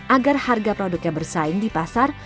agar harga produknya bersaing di pasar